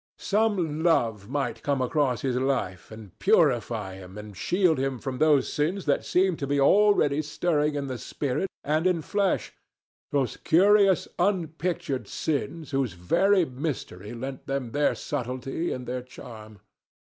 Some love might come across his life, and purify him, and shield him from those sins that seemed to be already stirring in spirit and in flesh—those curious unpictured sins whose very mystery lent them their subtlety and their charm.